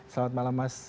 selamat malam mas